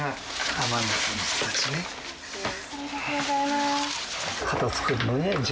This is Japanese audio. ありがとうございます。